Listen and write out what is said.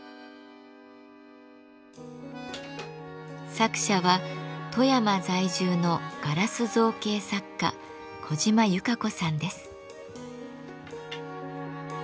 作者は富山在住のガラス造形作家小島有香子さんです。